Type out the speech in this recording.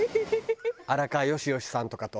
荒川良々さんとかと。